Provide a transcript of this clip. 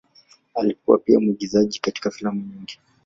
Alikuwa pia mwigizaji katika filamu nyingi.